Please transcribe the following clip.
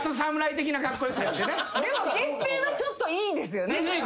でも月餅はちょっといいですよね。